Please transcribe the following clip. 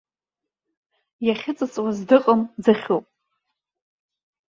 Иахьыҵыҵуа зда ыҟам ӡыхьуп.